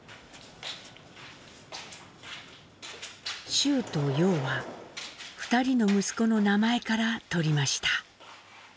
「舟」と「要」は２人の息子の名前からとりました。